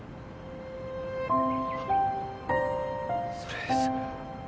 それです